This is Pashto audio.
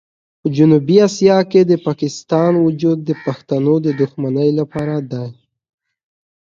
په جنوبي اسیا کې د پاکستان وجود د پښتنو د دښمنۍ لپاره دی.